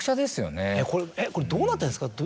これどうなってんですか？